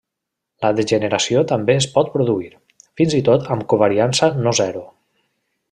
La degeneració també es pot produir, fins i tot amb covariància no-zero.